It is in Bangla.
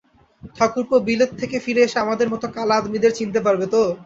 ঠাকুরপো, বিলেত থেকে ফিরে এসে আমাদের মতো কালা আদমিদের চিনতে পারবে তো?